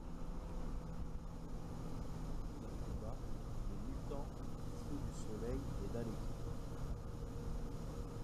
Au cours d'un combat, le mutant Feu du soleil aida l'équipe.